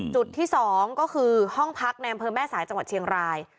จุดที่๒ก็คือห้องพักในอำเภอแม่สายจังหวัดเชียงราย